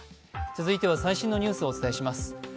続いては最新のニュースをお伝えします。